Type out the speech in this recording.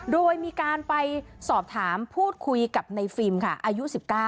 โดยมีการไปสอบถามพูดคุยกับในฟิล์มค่ะอายุ๑๙